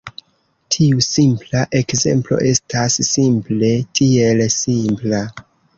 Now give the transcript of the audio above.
Tiu simpla ekzemplo estas simple tiel: simpla.